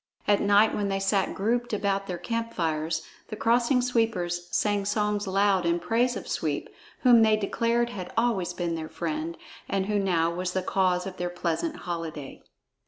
At night when they sat grouped about their campfires, the Crossing Sweepers sang songs loud in praise of Sweep, whom they declared had always been their friend and who now was the cause of their pleasant holiday.